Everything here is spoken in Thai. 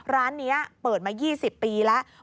ร้านนี้เปิดมา๒๐ปีแล้ว